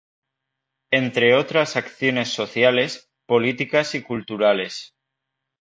Entre otras acciones sociales, políticas y culturales.